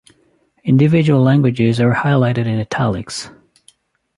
Individual languages are highlighted in "italics".